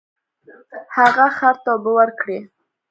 هغه خر ته اوبه ورکړې.